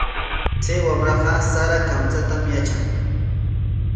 Chay wamraqa sara kamchatam yatran.